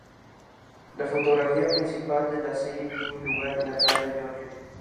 La fotografía principal de la serie tiene lugar en Atlanta, Georgia.